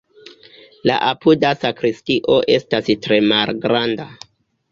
La apuda sakristio estas tre malgranda.